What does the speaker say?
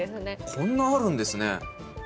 こんなあるんですね。